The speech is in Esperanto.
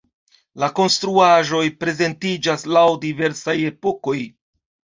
La konstruaĵoj prezentiĝas laŭ diversaj epokoj.